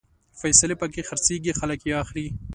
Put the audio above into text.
فیصلې پکې خرڅېږي، خلک يې اخلي